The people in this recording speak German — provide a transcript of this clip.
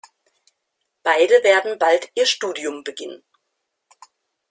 Beide werden bald ihr Studium beginnen.